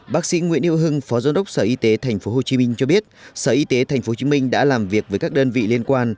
bác sĩ nguyễn hiệu hưng phó giám đốc sở y tế tp hcm cho biết sở y tế tp hcm đã làm việc với các đơn vị liên quan